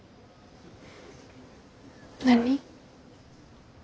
何？